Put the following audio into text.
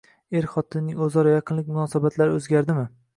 Er-xotinning o‘zaro yaqinlik munosabatlari o‘zgardimi?